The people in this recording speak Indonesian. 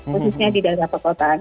khususnya di daerah perkotaan